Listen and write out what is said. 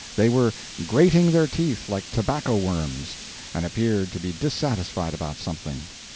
They were grating their teeth like tobacco worms, and appeared to be dissatisfied about something.